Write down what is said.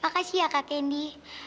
makasih ya kak kendi